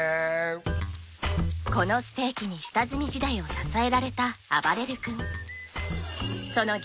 このステーキに下積み時代を支えられたあばれる君そのでし